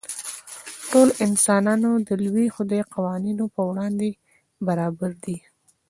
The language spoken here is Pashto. ټول انسانان د لوی خدای قوانینو په وړاندې برابر دي.